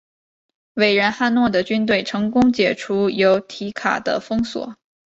伟人汉诺的军队成功解除由提卡的封锁。